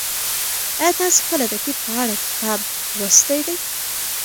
ایا تاسي کله د طب په اړه کتاب لوستی دی؟